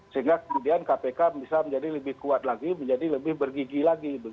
sehingga kemudian kpk bisa menjadi lebih kuat lagi menjadi lebih bergigi lagi